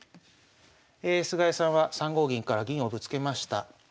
菅井さんは３五銀から銀をぶつけました。